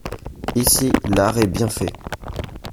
Ici l'art est bienfait.